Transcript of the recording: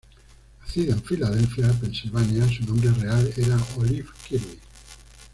Nacida en Filadelfia, Pensilvania, su nombre real era Olive Kirby.